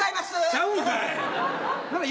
ちゃうんかい。